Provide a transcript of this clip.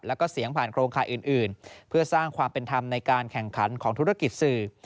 แล้วก็เสียงผ่านโครงข่ายอื่นเพื่อสร้างความเป็นธรรมในการแข่งขันของธุรกิจสื่อ